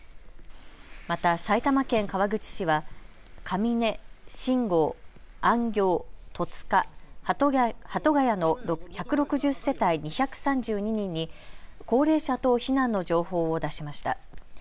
また埼玉県川口市は神根、新郷、安行、戸塚、鳩ヶ谷の１６０世帯２３２人に高齢者等避難の情報を出しました。